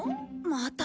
また？